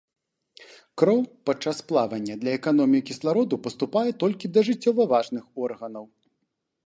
Кроў падчас плавання для эканоміі кіслароду паступае толькі да жыццёва важных органаў.